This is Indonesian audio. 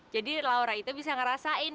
jadi laura itu bisa ngerasain